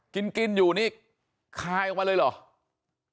กินกินอยู่นี่คายออกมาเลยเหรอ